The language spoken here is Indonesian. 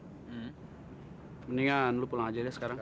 hai hai hai saat mendingan lu pulang aja sekarang